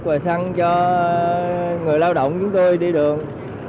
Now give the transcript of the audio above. và săn cho người lao động chúng tôi đi đường